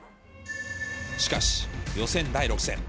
しかし、予選第６戦。